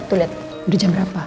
tuh lihat di jam berapa